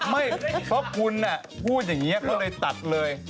ไม่เพราะกลุ่นนะพูดแบบนี้เค้าเลยตัดเลย